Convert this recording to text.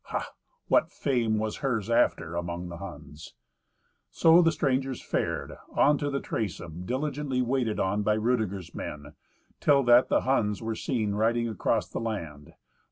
Ha! what fame was hers after, among the Huns! So the strangers fared on to the Traisem, diligently waited on by Rudeger's men, till that the Huns were seen riding across the land.